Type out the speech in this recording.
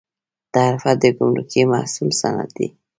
تعرفه د ګمرکي محصول سند دی